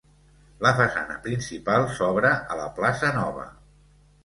La façana principal s'obre a la plaça Nova.